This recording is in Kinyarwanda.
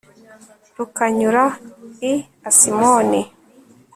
rukanyura i asimoni